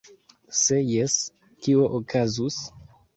Se jes, kio okazus?!